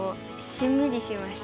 しんみりしました。